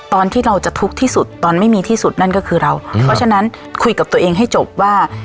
ตอนที่เราจะทุกข์ที่สุดตอนไม่มีที่สุดนั่นก็คือเราเพราะฉะนั้นคุยกับตัวเองให้จบว่า